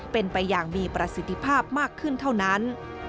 เป็นไปอย่างมีประสิทธิภาพมากขึ้นเท่านั้น